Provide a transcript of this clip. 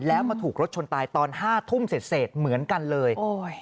แล้วมาถูกรถชนตายตอน๕ทุ่มเสร็จเหมือนกันเลย